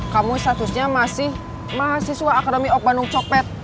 kamu statusnya masih mahasiswa akademi ok bandung copet